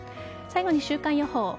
最後に週間予報。